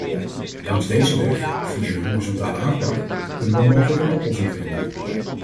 Langs deze weg, via een horizontale aanpak, kunnen we mogelijk een oplossing vinden.